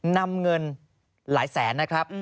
นำเงินหลายแสนนะครับ